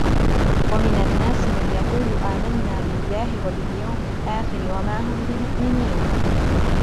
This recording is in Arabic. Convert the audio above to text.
وَمِنَ النَّاسِ مَنْ يَقُولُ آمَنَّا بِاللَّهِ وَبِالْيَوْمِ الْآخِرِ وَمَا هُمْ بِمُؤْمِنِينَ